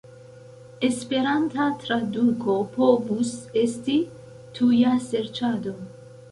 Esperanta traduko povus esti "tuja serĉado".